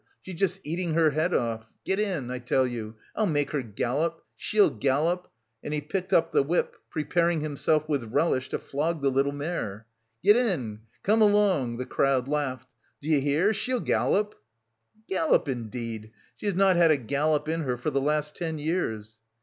She's just eating her head off. Get in, I tell you! I'll make her gallop! She'll gallop!" and he picked up the whip, preparing himself with relish to flog the little mare. "Get in! Come along!" The crowd laughed. "D'you hear, she'll gallop!" "Gallop indeed! She has not had a gallop in her for the last ten years!"